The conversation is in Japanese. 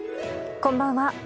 こんばんは。